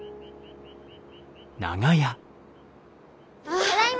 ただいま！